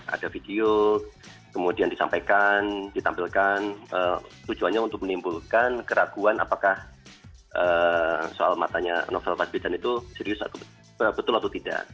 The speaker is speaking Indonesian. ada video kemudian disampaikan ditampilkan tujuannya untuk menimbulkan keraguan apakah soal matanya novel baswedan itu serius atau betul atau tidak